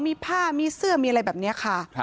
มีผ้ามีเสื้อมีอะไรแบบนี้ค่ะ